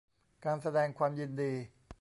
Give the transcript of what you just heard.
การแสดงความยินดี